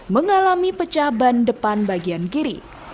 mengalami pecah ban depan bagian kiri